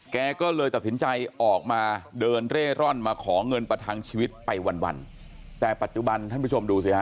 แกก็เลยตัดสินใจออกมาเดินเร่ร่อนมาขอเงินประทังชีวิตไปวันแต่ปัจจุบันท่านผู้ชมดูสิฮะ